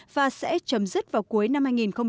và sẽ chấm dứt vào cuối năm hai nghìn hai mươi